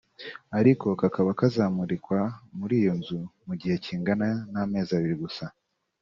ariko kakaba kazamurikwa muri iyo nzu mu gihe kingana n’amezi abiri gusa